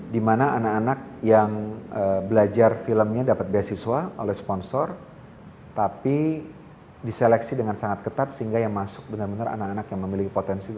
dimana anak anak yang belajar filmnya dapat beasiswa oleh sponsor tapi diseleksi dengan sangat ketat sehingga yang masuk benar benar anak anak yang memiliki potensi